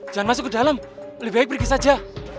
jangan masuk ke dalam lebih baik pergi saja